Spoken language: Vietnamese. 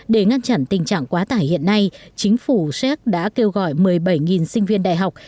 để ngăn chặn tình trạng quá tải hiện nay chính phủ séc đã kêu gọi một mươi bảy sinh viên đại học